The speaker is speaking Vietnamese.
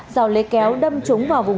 giàu lấy kéo đâm trúng vào vùng